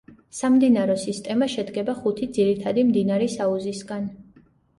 სამდინარო სისტემა შედგება ხუთი ძირითადი მდინარის აუზისგან.